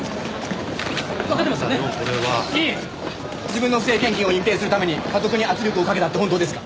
自分の不正献金を隠蔽するためにかとくに圧力をかけたって本当ですか？